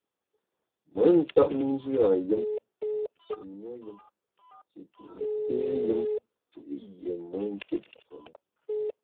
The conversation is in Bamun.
Me ntap njù a yùm, shi nuo yùm, shi pit nsé yùm fù’ yié me nkit fu ne.